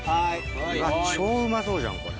うわ超うまそうじゃんこれ。